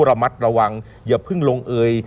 ระมัดระวังอย่าเพิ่งลงเอย